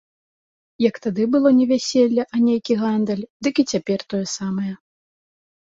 Як тады было не вяселле, а нейкі гандаль, дык і цяпер тое самае.